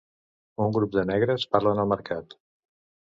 Un grup de negres parlen al mercat.